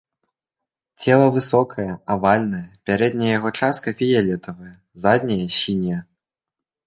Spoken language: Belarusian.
Цела высокае, авальнае, пярэдняя яго частка фіялетавая, задняя сіняя.